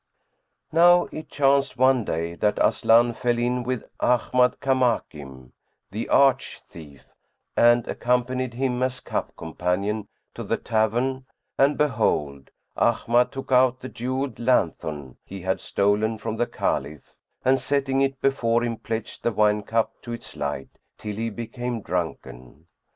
Now it chanced one day that Aslan fell in with Ahmad Kamakim, the arch thief, and accompanied him as cup companion to the tavern[FN#111] and behold, Ahmad took out the jewelled lanthorn he had stolen from the Caliph and, setting it before him, pledged the wine cup to its light, till he became drunken.